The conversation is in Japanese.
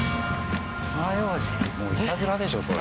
もういたずらでしょそれ。